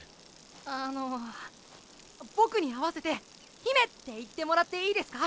あのボクに合わせてヒメって言ってもらっていいですか。